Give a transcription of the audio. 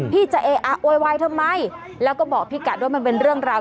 พี่จะเออะโวยวายทำไมแล้วก็บอกพี่กัดด้วยมันเป็นเรื่องราว